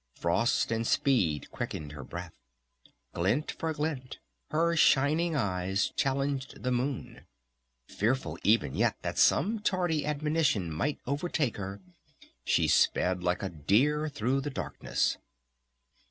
Frost and speed quickened her breath. Glint for glint her shining eyes challenged the moon. Fearful even yet that some tardy admonition might overtake her she sped like a deer through the darkness.